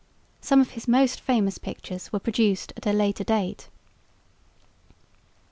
Some of his most famous pictures were produced at a later date.